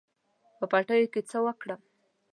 په پټیو کې څه وکړم.